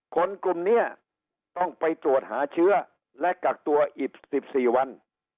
คนกลุ่มนี้ต้องไปตรวจหาเชื้อและกักตัวอีก๑๔วัน